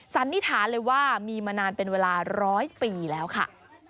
สันนิษฐานเลยว่ามีมานานเป็นเวลาร้อยปีแล้วค่ะ